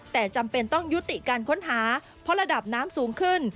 แต่จำเป็นต้องยุติการค้นหาเพราะระดับน้ำสูงขึ้น